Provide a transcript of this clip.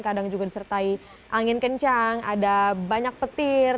kadang juga disertai angin kencang ada banyak petir